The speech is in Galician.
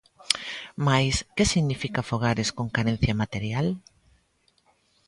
Mais, que significa fogares con carencia material?